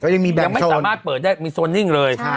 ยังไม่สามารถเปิดได้มีโซนนิ่งเลย